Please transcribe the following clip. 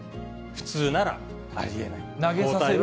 普通ならありえない。